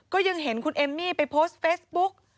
ก็ยังเห็นคุณเอมมี่ไปโพสต์เฟซบุ๊ก